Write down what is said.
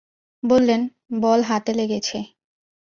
বললেন, বল হাতে লেগেছে।